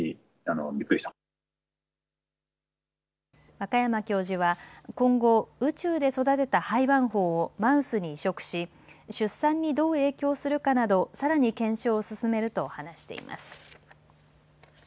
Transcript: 若山教授は今後、宇宙で育てた胚盤胞をマウスに移植し出産にどう影響するかなどさらに検証を進めると話しています。